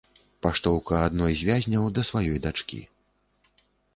Паштоўка адной з вязняў да сваёй дачкі.